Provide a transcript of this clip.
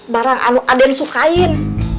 barang aden sukain